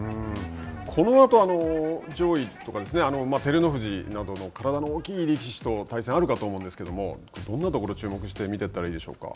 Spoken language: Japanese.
このあと、上位とか、照ノ富士などの体の大きい力士と対戦あるかと思うんですけれども、どんなところに注目して見ていったらいいでしょうか。